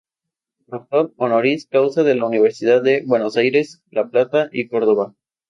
Doctor honoris causa de las Universidades de Buenos Aires, La Plata, y Cordoba.